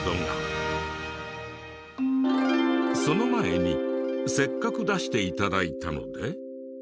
その前にせっかく出して頂いたので。